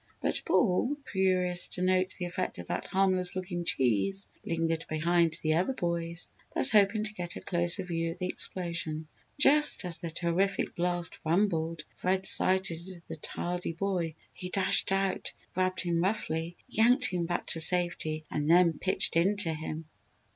But Paul, curious to note the effect of that harmless looking cheese, lingered behind the other boys, thus hoping to get a closer view of the explosion. Just as the terrific blast rumbled, Fred sighted the tardy boy. He dashed out, grabbed him roughly, yanked him back to safety, and then pitched into him.